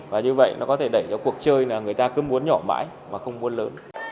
và như vậy nó có thể đẩy cho cuộc chơi là người ta cứ muốn nhỏ mãi mà không muốn lớn